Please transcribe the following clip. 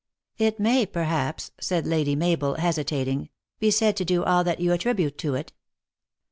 "It may, perhaps," said Lady Mabel, hesitating, " be said to do all that you attribute to it."